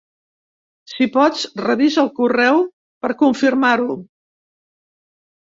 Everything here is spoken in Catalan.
Si pots, revisa el correu per confirmar-ho.